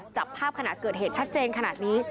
จับภาพขณะเกิดเหตุชัดเจนขนาดนี้